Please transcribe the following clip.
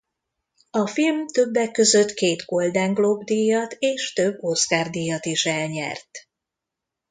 A film többek között két Golden Globe-díjat és több Oscar-díjat is elnyert.